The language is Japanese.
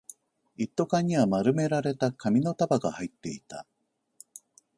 一斗缶には丸められた紙の束が入っていた